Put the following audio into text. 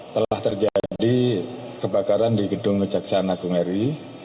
telah terjadi kebakaran di gedung kejaksaan agungeri